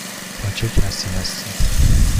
با چه کسی هستی؟